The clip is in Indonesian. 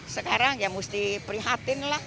sekarang ya mesti prihatin lah